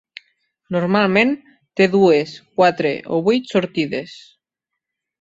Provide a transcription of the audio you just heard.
Normalment, té dues, quatre o vuit sortides.